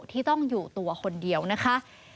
ที่ต้องอยู่ตัวคนเดียวนะคะ